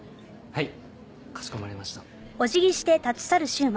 はい。